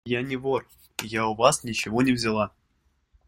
– Я не вор! Я у вас ничего не взяла.